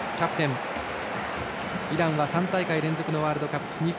イランは３大会連続のワールドカップ。